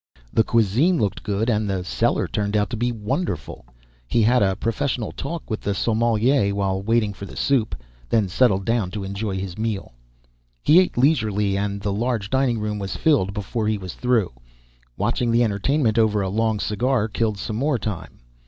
The cuisine looked good and the cellar turned out to be wonderful. He had a professional talk with the sommelier while waiting for the soup, then settled down to enjoy his meal. He ate leisurely and the large dining room was filled before he was through. Watching the entertainment over a long cigar killed some more time.